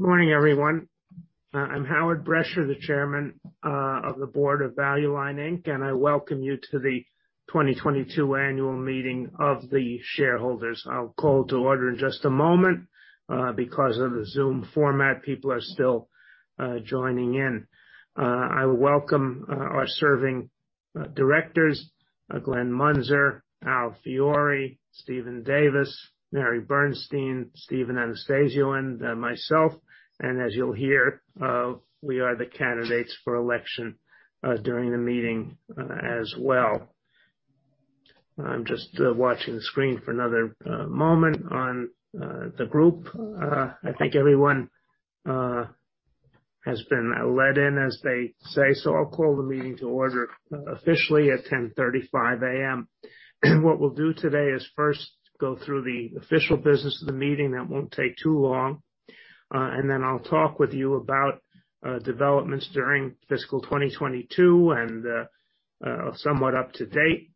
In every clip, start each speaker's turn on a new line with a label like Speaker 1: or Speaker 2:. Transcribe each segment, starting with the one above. Speaker 1: Good morning, everyone. I'm Howard Brecher, the Chairman of the Board of Value Line, Inc., and I welcome you to the 2022 Annual Meeting Of The Shareholders. I'll call to order in just a moment. Because of the Zoom format, people are still joining in. I welcome our serving directors, Glenn Muenzer, Alfred Fiore, Stephen Davis, Mary Bernstein, Stephen Anastasio, and myself. As you'll hear, we are the candidates for election during the meeting as well. I'm just watching the screen for another moment on the group. I think everyone has been let in, as they say, so I'll call the meeting to order officially at 10:35 A.M. What we'll do today is first go through the official business of the meeting. That won't take too long. Then I'll talk with you about developments during fiscal 2022 and somewhat up-to-date.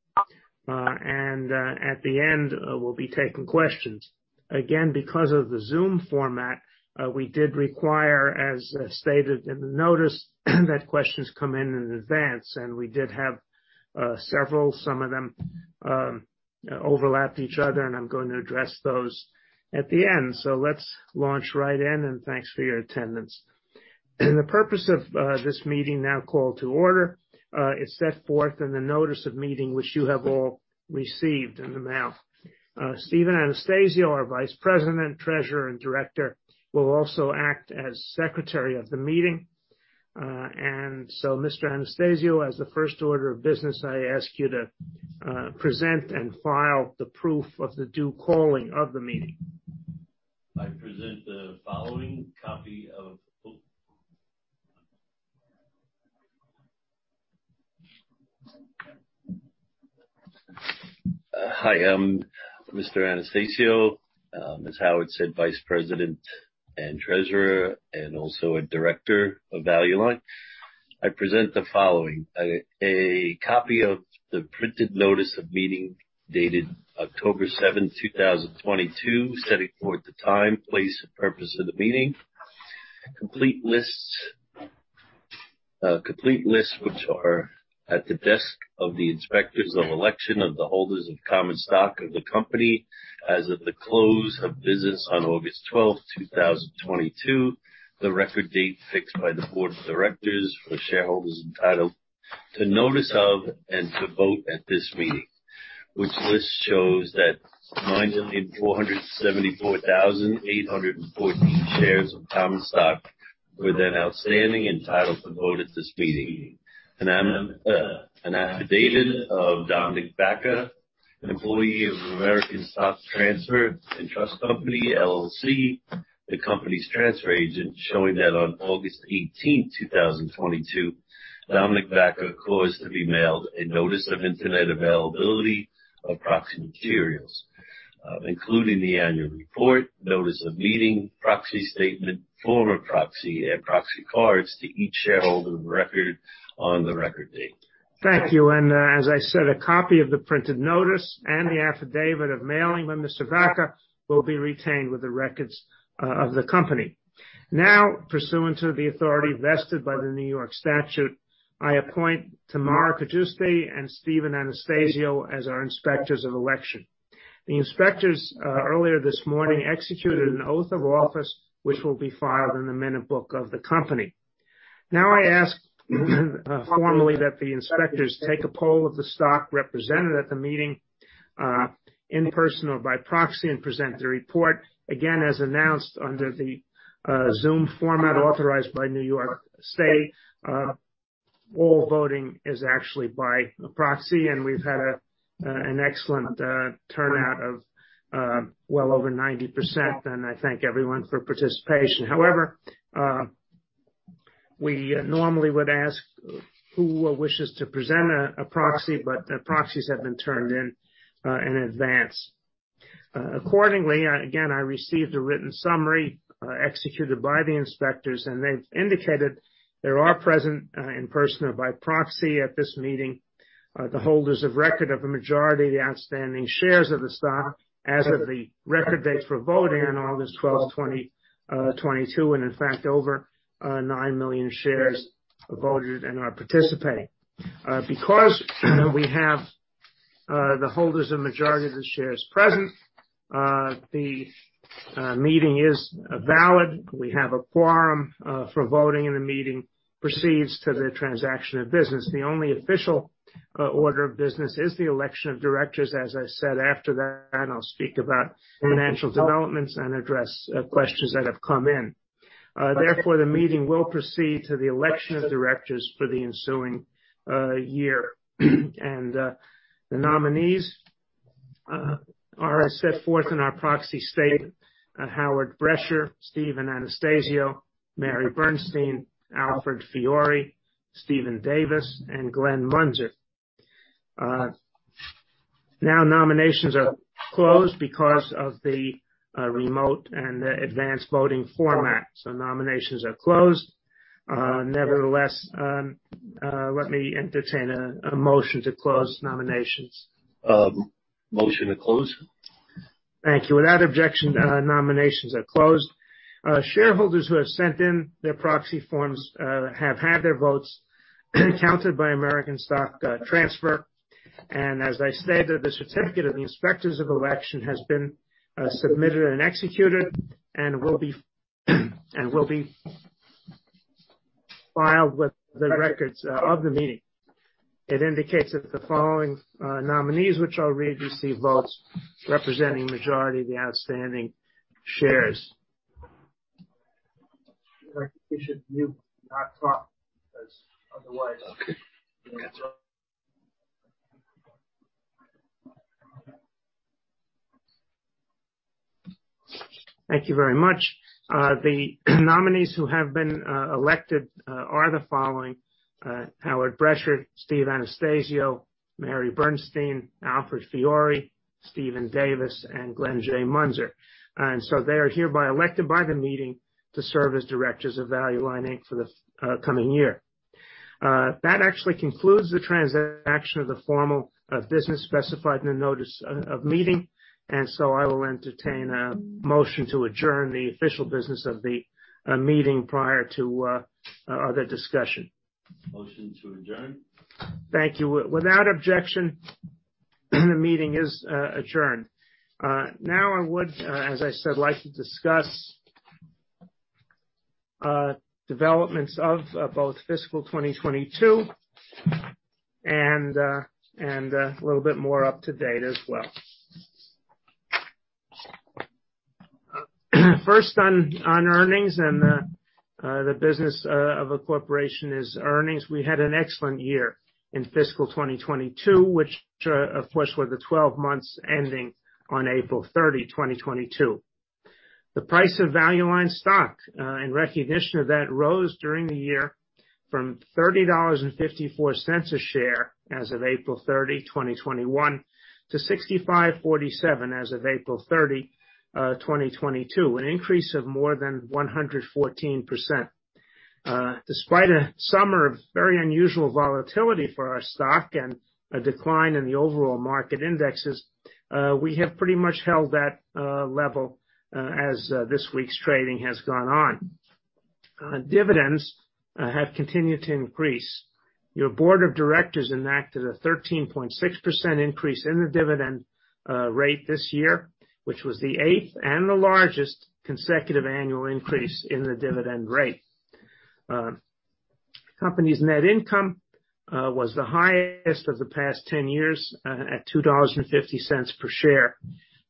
Speaker 1: At the end, we'll be taking questions. Again, because of the Zoom format, we did require, as stated in the notice, that questions come in advance, and we did have several. Some of them overlapped each other, and I'm going to address those at the end. Let's launch right in, and thanks for your attendance. The purpose of this meeting now called to order is set forth in the notice of meeting which you have all received in the mail. Stephen Anastasio, our Vice President, Treasurer, and Director, will also act as secretary of the meeting. Mr. Anastasio, as the first order of business, I ask you to present and file the proof of the due calling of the meeting.
Speaker 2: Hi, I'm Mr. Anastasio. As Howard said, vice president and treasurer and also a director of Value Line. I present the following. A copy of the printed notice of meeting dated October 7, 2022, setting forth the time, place, and purpose of the meeting. Complete lists which are at the desk of the inspectors of election of the holders of common stock of the company as of the close of business on August 12, 2022, the record date fixed by the board of directors for shareholders entitled to notice of and to vote at this meeting. Which list shows that 9,474,814 shares of common stock were then outstanding, entitled to vote at this meeting. An affidavit of Dominic Baca, an employee of American Stock Transfer & Trust Company, LLC, the company's transfer agent, showing that on August 18th, 2022, Dominic Baca caused to be mailed a Notice of Internet Availability of Proxy Materials, including the annual report, notice of meeting, proxy statement, form of proxy and proxy cards to each shareholder of record on the record date.
Speaker 1: Thank you. As I said, a copy of the printed notice and the affidavit of mailing by Mr. Baca will be retained with the records of the company. Now, pursuant to the authority vested by the New York statute, I appoint Tamar Kajusty and Stephen Anastasio as our inspectors of election. The inspectors earlier this morning executed an oath of office which will be filed in the minute book of the company. Now I ask formally that the inspectors take a poll of the stock represented at the meeting in person or by proxy and present the report. Again, as announced under the Zoom format authorized by New York State, all voting is actually by proxy, and we've had an excellent turnout of well over 90%, and I thank everyone for participation. However, we normally would ask who wishes to present a proxy, but the proxies have been turned in in advance. Accordingly, again, I received a written summary executed by the inspectors, and they've indicated there are present in person or by proxy at this meeting the holders of record of a majority of the outstanding shares of the stock as of the record date for voting on August 12, 2022. In fact, over 9 million shares voted and are participating. Because we have the holders of majority of the shares present, the meeting is valid. We have a quorum for voting, and the meeting proceeds to the transaction of business. The only official order of business is the election of directors. As I said, after that, I'll speak about financial developments and address questions that have come in. Therefore, the meeting will proceed to the election of directors for the ensuing year. The nominees are set forth in our proxy statement, Howard Brecher, Stephen Anastasio, Mary Bernstein, Alfred Fiore, Stephen Davis, and Glenn Muenzer. Now nominations are closed because of the remote and the advanced voting format, so nominations are closed. Nevertheless, let me entertain a motion to close nominations.
Speaker 3: Motion to close.
Speaker 1: Thank you. Without objection, nominations are closed. Shareholders who have sent in their proxy forms have had their votes counted by American Stock Transfer. As I stated, the certificate of the inspectors of election has been submitted and executed and will be filed with the records of the meeting. It indicates that the following nominees, which I'll read, received votes representing majority of the outstanding shares. You should mute, not talk, 'cause otherwise.
Speaker 4: Okay. Got you.
Speaker 1: Thank you very much. The nominees who have been elected are the following, Howard Brecher, Steve Anastasio, Mary Bernstein, Alfred Fiore, Steven Davis and Glenn Muenzer. They are hereby elected by the meeting to serve as directors of Value Line, Inc. for the coming year. That actually concludes the transaction of the formal business specified in the notice of meeting. I will entertain a motion to adjourn the official business of the meeting prior to other discussion.
Speaker 3: Motion to adjourn.
Speaker 1: Thank you. Without objection, the meeting is adjourned. Now I would, as I said, like to discuss developments of both fiscal 2022 and a little bit more up to date as well. First, on earnings and the business of a corporation is earnings. We had an excellent year in fiscal 2022, which, of course, were the twelve months ending on April 30, 2022. The price of Value Line stock, in recognition of that rose during the year from $30.54 a share as of April 30, 2021 to $65.47 as of April 30, 2022. An increase of more than 114%. Despite a summer of very unusual volatility for our stock and a decline in the overall market indexes, we have pretty much held that level as this week's trading has gone on. Dividends have continued to increase. Your board of directors enacted a 13.6% increase in the dividend rate this year, which was the eighth and the largest consecutive annual increase in the dividend rate. Company's net income was the highest of the past 10 years at $2.50 per share.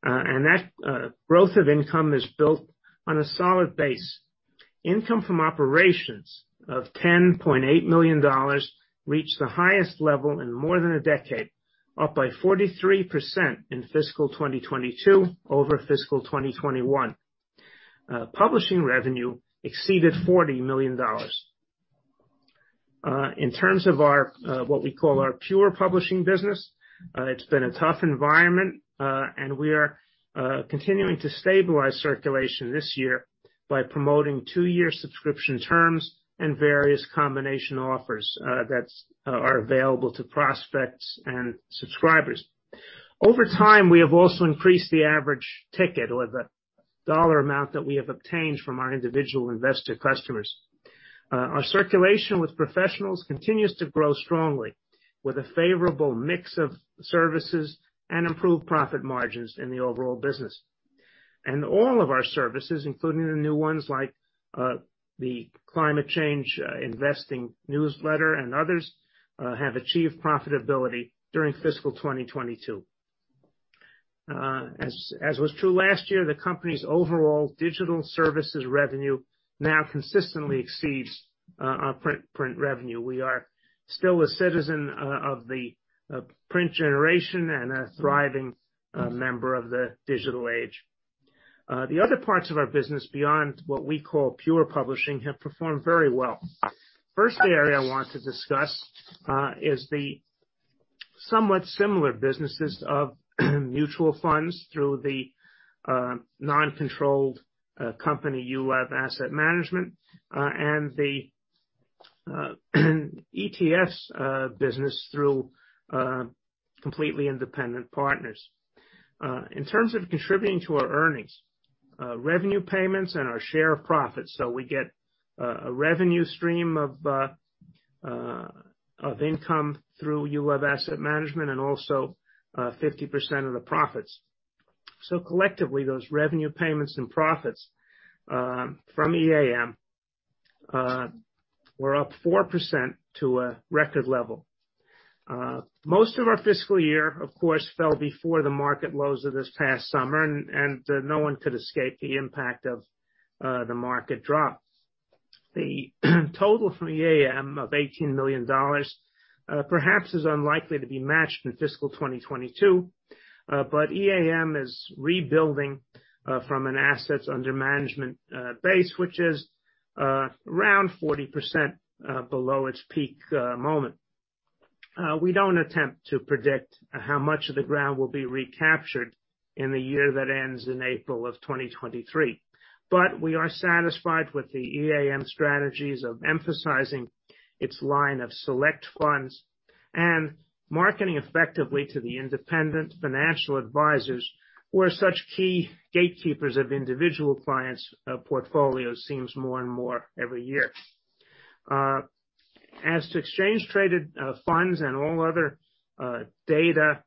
Speaker 1: That growth of income is built on a solid base. Income from operations of $10.8 million reached the highest level in more than a decade, up by 43% in fiscal 2022 over fiscal 2021. Publishing revenue exceeded $40 million. In terms of our what we call our pure publishing business, it's been a tough environment, and we are continuing to stabilize circulation this year by promoting two-year subscription terms and various combination offers that are available to prospects and subscribers. Over time, we have also increased the average ticket or the dollar amount that we have obtained from our individual investor customers. Our circulation with professionals continues to grow strongly with a favorable mix of services and improved profit margins in the overall business. All of our services, including the new ones like the Climate Change Investing Service and others, have achieved profitability during fiscal 2022. As was true last year, the company's overall digital services revenue now consistently exceeds our print revenue. We are still a citizen of the print generation and a thriving member of the digital age. The other parts of our business beyond what we call pure publishing have performed very well. First area I want to discuss is the somewhat similar businesses of mutual funds through the non-controlled company, EULAV Asset Management, and the ETFs business through completely independent partners. In terms of contributing to our earnings, revenue payments and our share of profits. We get a revenue stream of income through EULAV Asset Management and also 50% of the profits. Collectively, those revenue payments and profits from EAM were up 4% to a record level. Most of our fiscal year, of course, fell before the market lows of this past summer. No one could escape the impact of the market drop. The total from EAM of $18 million perhaps is unlikely to be matched in fiscal 2022, but EAM is rebuilding from an assets under management base which is around 40% below its peak moment. We don't attempt to predict how much of the ground will be recaptured in the year that ends in April of 2023. We are satisfied with the EAM strategies of emphasizing its line of Select funds and marketing effectively to the independent financial advisors, where such key gatekeepers of individual clients portfolios seems more and more every year. As to exchange traded funds and all other data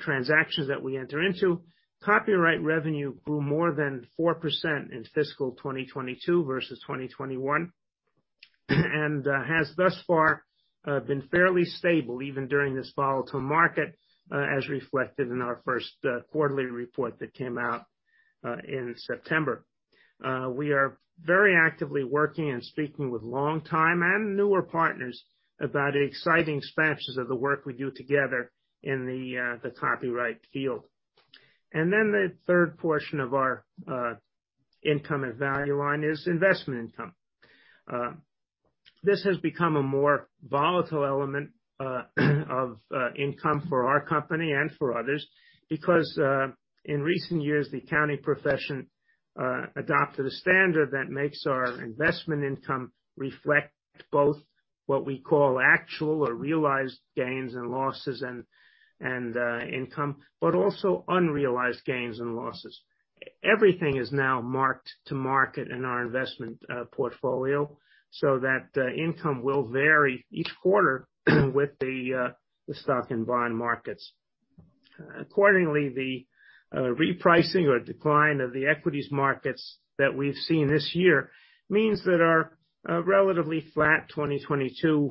Speaker 1: transactions that we enter into, copyright revenue grew more than 4% in fiscal 2022 versus 2021, and has thus far been fairly stable even during this volatile market, as reflected in our first quarterly report that came out in September. We are very actively working and speaking with long-time and newer partners about exciting expansions of the work we do together in the copyright field. Then the third portion of our income at Value Line is investment income. This has become a more volatile element of income for our company and for others because in recent years, the accounting profession adopted a standard that makes our investment income reflect both what we call actual or realized gains and losses and income, but also unrealized gains and losses. Everything is now marked to market in our investment portfolio, so that income will vary each quarter with the stock and bond markets. Accordingly, the repricing or decline of the equities markets that we've seen this year means that our relatively flat 2022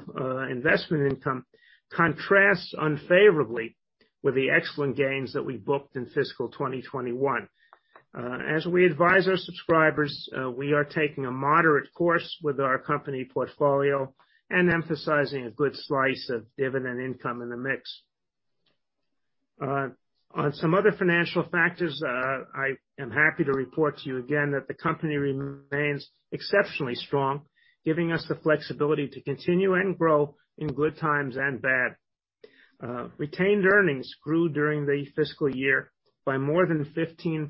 Speaker 1: investment income contrasts unfavorably with the excellent gains that we booked in fiscal 2021. As we advise our subscribers, we are taking a moderate course with our company portfolio and emphasizing a good slice of dividend income in the mix. On some other financial factors, I am happy to report to you again that the company remains exceptionally strong, giving us the flexibility to continue and grow in good times and bad. Retained earnings grew during the fiscal year by more than $15.1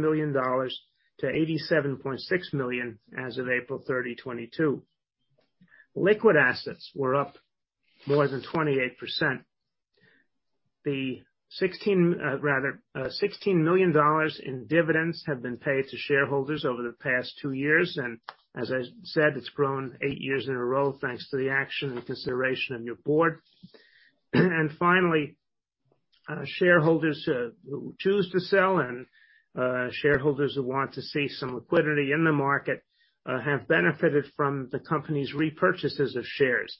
Speaker 1: million to $87.6 million as of April 30, 2022. Liquid assets were up more than 28%. The sixteen million dollars in dividends have been paid to shareholders over the past two years. As I said, it's grown eight years in a row thanks to the action and consideration of your board. Finally, shareholders who choose to sell and shareholders who want to see some liquidity in the market have benefited from the company's repurchases of shares.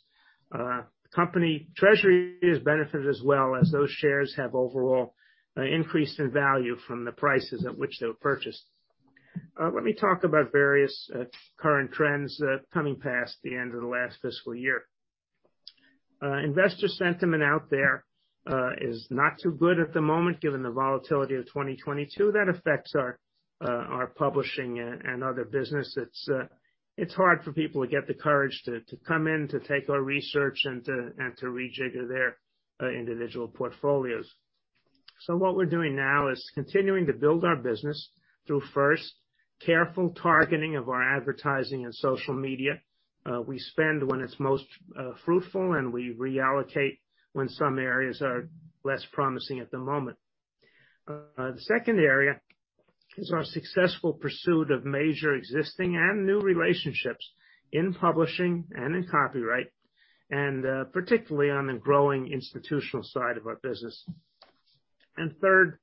Speaker 1: Company treasury has benefited as well as those shares have overall increased in value from the prices at which they were purchased. Let me talk about various current trends coming past the end of the last fiscal year. Investor sentiment out there is not too good at the moment, given the volatility of 2022. That affects our publishing and other business. It's hard for people to get the courage to come in, to take our research, and to rejigger their individual portfolios. What we're doing now is continuing to build our business through first careful targeting of our advertising and social media. We spend when it's most fruitful, and we reallocate when some areas are less promising at the moment. The second area is our successful pursuit of major existing and new relationships in publishing and in copyright, and particularly on the growing institutional side of our business. Third,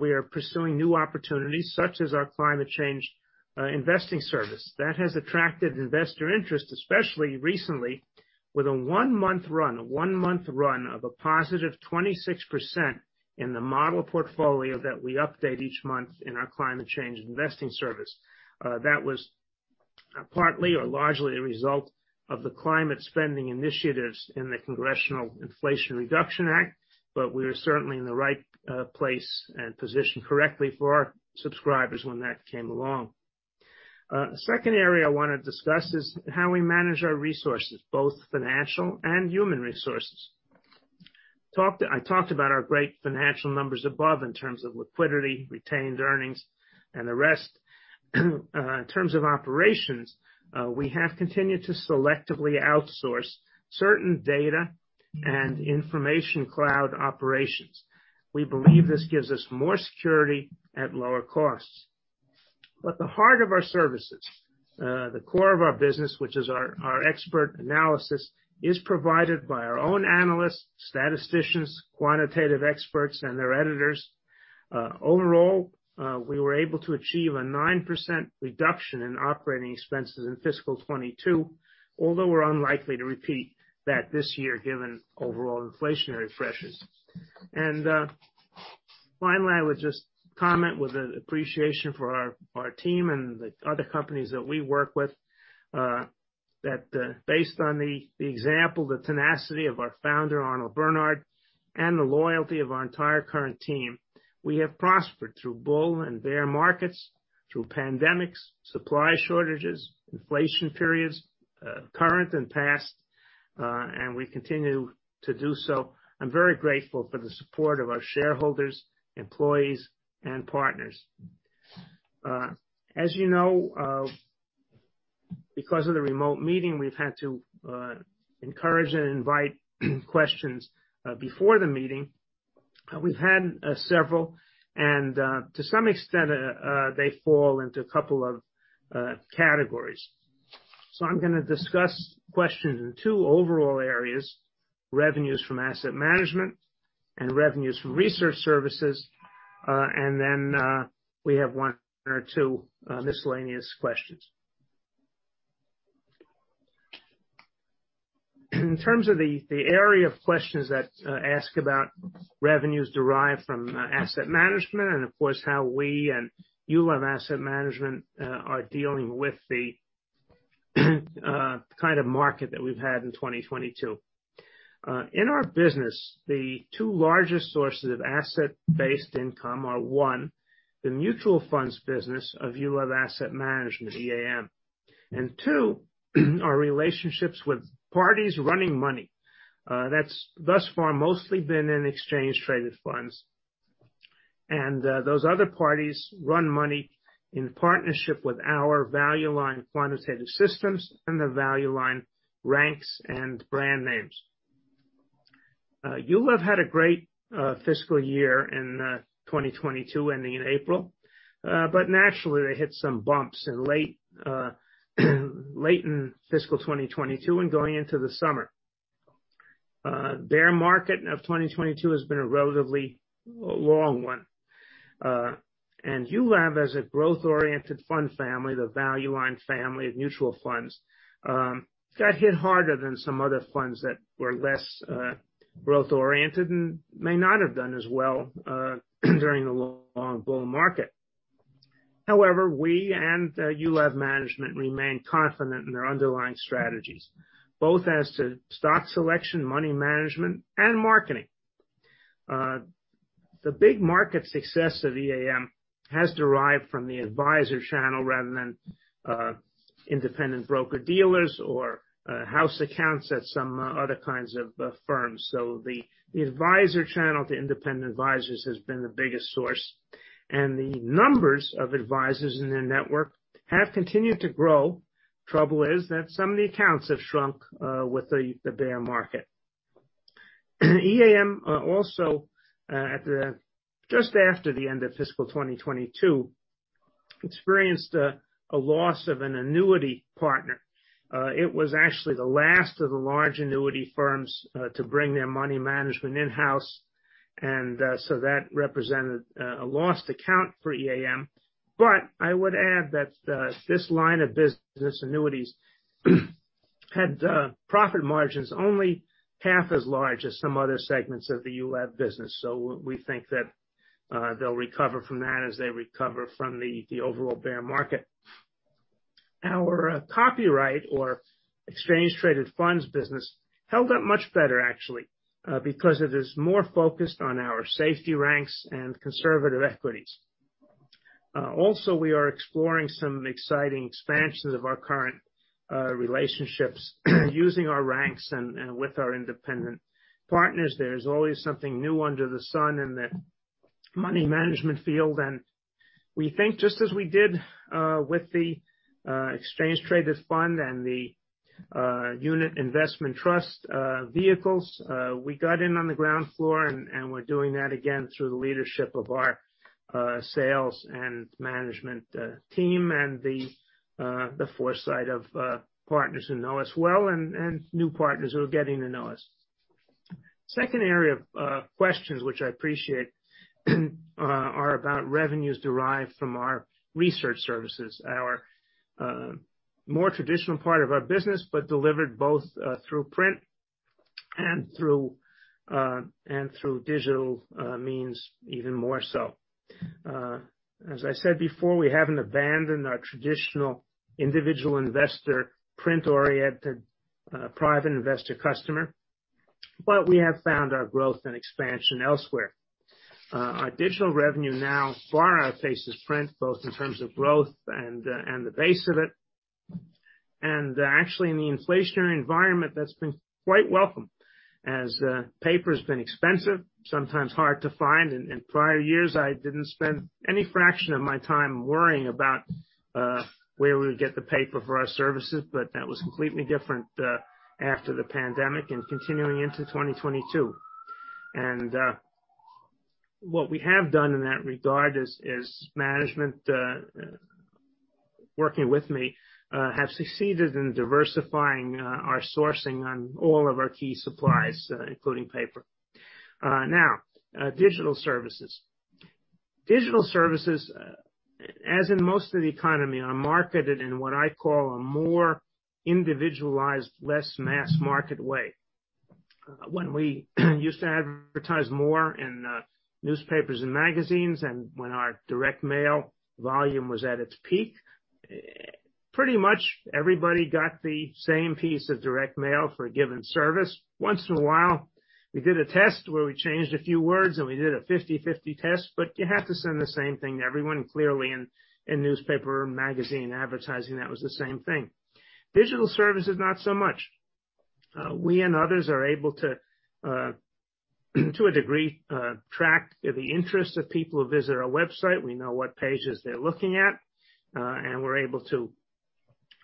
Speaker 1: we are pursuing new opportunities such as our Climate Change Investing Service. That has attracted investor interest, especially recently with a one-month run of a positive 26% in the model portfolio that we update each month in our Climate Change Investing Service. That was partly or largely a result of the climate spending initiatives in the congressional Inflation Reduction Act, but we're certainly in the right place and positioned correctly for our subscribers when that came along. The second area I wanna discuss is how we manage our resources, both financial and human resources. I talked about our great financial numbers above in terms of liquidity, retained earnings, and the rest. In terms of operations, we have continued to selectively outsource certain data and information cloud operations. We believe this gives us more security at lower costs. The heart of our services, the core of our business, which is our expert analysis, is provided by our own analysts, statisticians, quantitative experts, and their editors. Overall, we were able to achieve a 9% reduction in operating expenses in fiscal 2022, although we're unlikely to repeat that this year given overall inflationary pressures. Finally, I would just comment with an appreciation for our team and the other companies that we work with, that based on the example, the tenacity of our founder, Arnold Bernhard, and the loyalty of our entire current team. We have prospered through bull and bear markets, through pandemics, supply shortages, inflation periods, current and past, and we continue to do so. I'm very grateful for the support of our shareholders, employees, and partners. As you know, because of the remote meeting, we've had to encourage and invite questions before the meeting. We've had several and, to some extent, they fall into a couple of categories. I'm gonna discuss questions in two overall areas, revenues from asset management and revenues from research services. We have one or two miscellaneous questions. In terms of the area of questions that ask about revenues derived from asset management and of course, how we and EULAV Asset Management are dealing with the kind of market that we've had in 2022. In our business, the two largest sources of asset-based income are, one, the mutual funds business of EULAV Asset Management, EAM. Two, our relationships with parties running money. That's thus far mostly been in exchange-traded funds. Those other parties run money in partnership with our Value Line quantitative systems and the Value Line ranks and brand names. EULAV had a great fiscal year in 2022, ending in April. Naturally, they hit some bumps in late in fiscal 2022 and going into the summer. Their market of 2022 has been a relatively long one. EULAV as a growth-oriented fund family, the Value Line family of mutual funds, got hit harder than some other funds that were less growth-oriented and may not have done as well during the long bull market. However, we and EULAV Management remain confident in their underlying strategies, both as to stock selection, money management, and marketing. The big market success of EAM has derived from the advisor channel rather than independent broker-dealers or house accounts at some other kinds of firms. The advisor channel to independent advisors has been the biggest source. The numbers of advisors in their network have continued to grow. Trouble is that some of the accounts have shrunk with the bear market. EAM also just after the end of fiscal 2022 experienced a loss of an annuity partner. It was actually the last of the large annuity firms to bring their money management in-house. That represented a lost account for EAM. I would add that this line of business, annuities, had profit margins only half as large as some other segments of the EULAV business. We think that they'll recover from that as they recover from the overall bear market. Our copyright or exchange-traded funds business held up much better actually because it is more focused on our safety ranks and conservative equities. Also, we are exploring some exciting expansions of our current relationships using our ranks and with our independent partners. There's always something new under the sun in the money management field. We think, just as we did, with the exchange-traded fund and the unit investment trust vehicles, we got in on the ground floor and we're doing that again through the leadership of our sales and management team and the foresight of partners who know us well and new partners who are getting to know us. Second area of questions which I appreciate are about revenues derived from our research services. Our more traditional part of our business, but delivered both through print and through digital means even more so. As I said before, we haven't abandoned our traditional individual investor, print-oriented, private investor customer, but we have found our growth and expansion elsewhere. Our digital revenue now far outpaces print, both in terms of growth and the base of it. Actually, in the inflationary environment, that's been quite welcome as paper's been expensive, sometimes hard to find. In prior years, I didn't spend any fraction of my time worrying about where we would get the paper for our services, but that was completely different after the pandemic and continuing into 2022. What we have done in that regard is management working with me have succeeded in diversifying our sourcing on all of our key supplies, including paper. Now, digital services. Digital services, as in most of the economy, are marketed in what I call a more individualized, less mass-market way. When we used to advertise more in, newspapers and magazines and when our direct mail volume was at its peak, pretty much everybody got the same piece of direct mail for a given service. Once in a while, we did a test where we changed a few words, and we did a 50/50 test, but you have to send the same thing to everyone. Clearly in newspaper, magazine advertising, that was the same thing. Digital services, not so much. We and others are able to a degree, track the interest of people who visit our website. We know what pages they're looking at, and we're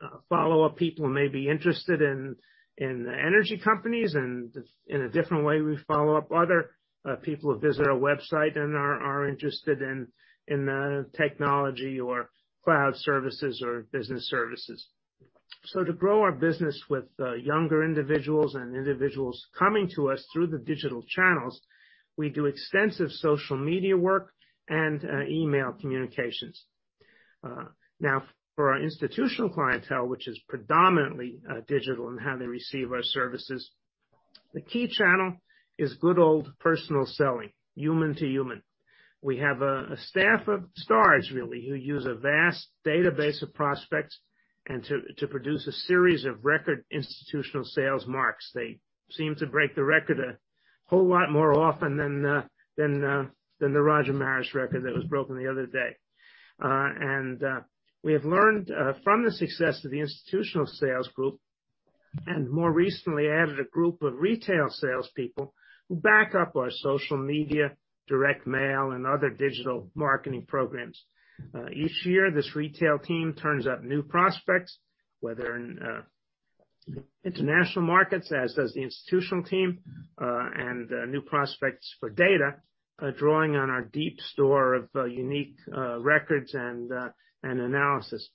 Speaker 1: able to follow up. People may be interested in the energy companies. In a different way, we follow up with other people who visit our website and are interested in the technology or cloud services or business services. To grow our business with younger individuals and individuals coming to us through the digital channels, we do extensive social media work and email communications. Now, for our institutional clientele, which is predominantly digital in how they receive our services, the key channel is good old personal selling, human to human. We have a staff of stars really, who use a vast database of prospects and to produce a series of record institutional sales marks. They seem to break the record a whole lot more often than the Roger Maris record that was broken the other day. We have learned from the success of the institutional sales group, and more recently added a group of retail salespeople who back up our social media, direct mail, and other digital marketing programs. Each year, this retail team turns up new prospects, whether in international markets, as does the institutional team, and new prospects for data, drawing on our deep store of unique records and analysis.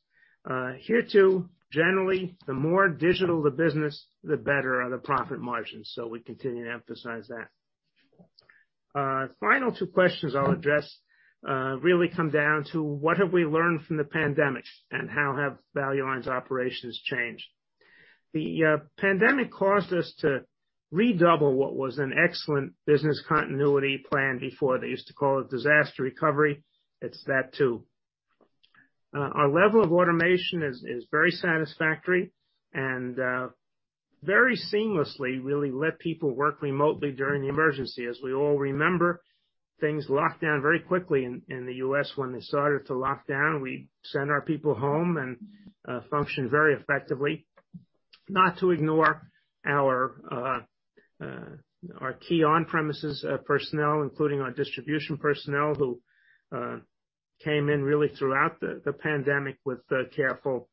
Speaker 1: Here too, generally, the more digital the business, the better the profit margins. We continue to emphasize that. Final two questions I'll address really come down to what have we learned from the pandemic and how have Value Line's operations changed. The pandemic caused us to redouble what was an excellent business continuity plan before. They used to call it disaster recovery. It's that too. Our level of automation is very satisfactory and very seamlessly really let people work remotely during the emergency. As we all remember, things locked down very quickly in the U.S. When they started to lock down, we sent our people home and functioned very effectively. Not to ignore our key on-premises personnel, including our distribution personnel who came in really throughout the pandemic with careful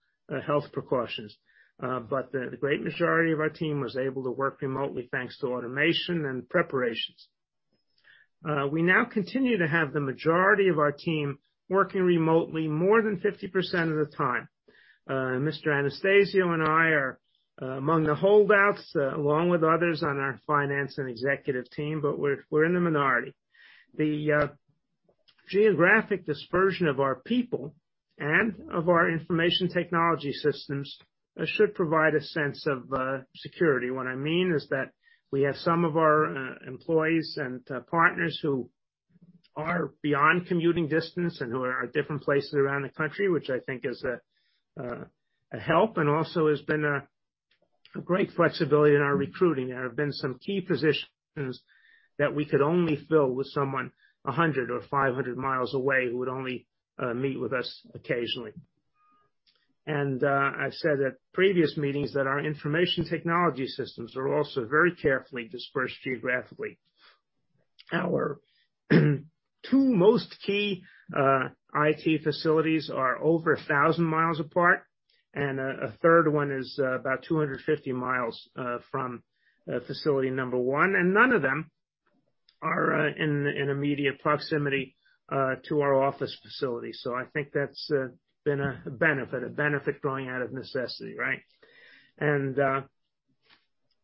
Speaker 1: health precautions. The great majority of our team was able to work remotely thanks to automation and preparations. We now continue to have the majority of our team working remotely more than 50% of the time. Mr. Anastasio and I are among the holdouts along with others on our finance and executive team, but we're in the minority. The geographic dispersion of our people and of our information technology systems should provide a sense of security. What I mean is that we have some of our employees and partners who are beyond commuting distance and who are at different places around the country, which I think is a help, and also has been a great flexibility in our recruiting. There have been some key positions that we could only fill with someone 100 or 500 miles away who would only meet with us occasionally. I've said at previous meetings that our information technology systems are also very carefully dispersed geographically. Our two most key IT facilities are over 1,000 miles apart, and a third one is about 250 miles from facility number one, and none of them are in immediate proximity to our office facility. I think that's been a benefit growing out of necessity, right?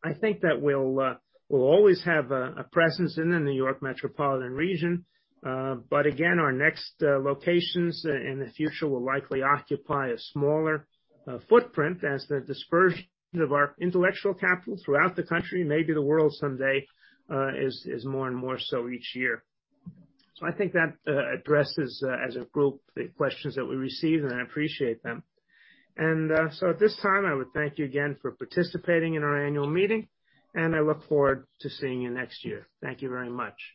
Speaker 1: I think that we'll always have a presence in the New York metropolitan region. Again, our next locations in the future will likely occupy a smaller footprint as the dispersion of our intellectual capital throughout the country, maybe the world someday, is more and more so each year. I think that addresses as a group the questions that we received, and I appreciate them. At this time, I would thank you again for participating in our annual meeting, and I look forward to seeing you next year. Thank you very much.